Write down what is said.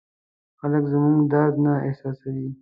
خلک زموږ درد نه احساسوي.